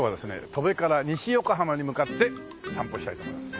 戸部から西横浜に向かって散歩したいと思います。